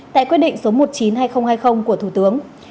tại quyết định số một trăm chín mươi hai nghìn hai mươi của thủ tướng